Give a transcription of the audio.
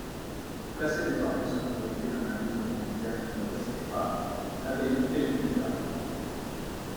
Placée désormais sous l'autorité d'un abbé commanditaire qui ne résidait pas, l'abbaye périclita.